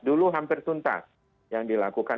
dulu hampir tuntas yang dilakukan